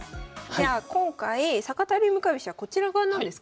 じゃあ今回坂田流向かい飛車こちら側なんですか？